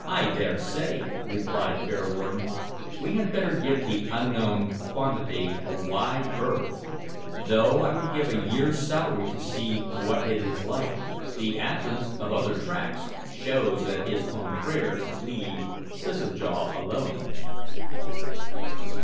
"I dare say," replied Bearwarden, "we had better give the unknown quantity a wide berth, though I would give a year's salary to see what it is like. The absence of other tracks shows that his confreres leave 'Scissor jaw' alone."